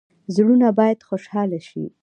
زړونه باید خوشحاله شي